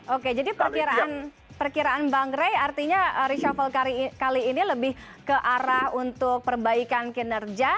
oke jadi perkiraan bang rey artinya reshuffle kali ini lebih ke arah untuk perbaikan kinerja